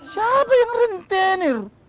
siapa yang rentenir